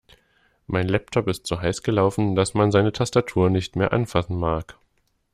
Mein Laptop ist so heiß gelaufen, dass man seine Tastatur nicht mehr anfassen mag.